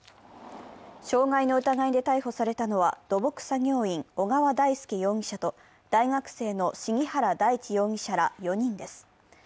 傷害の疑いで逮捕されのは、土木作業員・小川大輔容疑者と大学生の鴫原大地容疑者ら４人です。